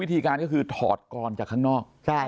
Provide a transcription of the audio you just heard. วิธีการก็คือถอดกรจากข้างนอก